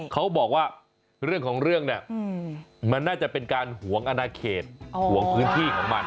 เขาบอกว่าเรื่องของเรื่องเนี่ยมันน่าจะเป็นการห่วงอนาเขตห่วงพื้นที่ของมัน